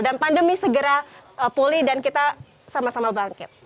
dan pandemi segera pulih dan kita sama sama bangkit